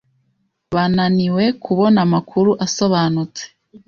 Bananiwe kubona amakuru asobanutse.